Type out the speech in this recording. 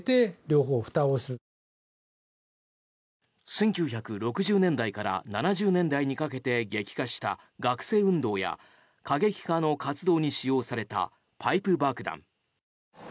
１９６０年代から７０年代にかけて激化した学生運動や過激派の活動に使用されたパイプ爆弾。